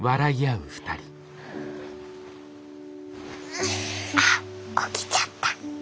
うん。あっ起きちゃった。